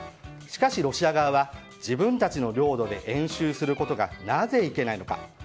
しかしロシア側は自分たちの領土で演習することがなぜいけないのか。